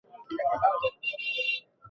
কী হবে যদি আবার তোমার ক্ষতি করে বসি?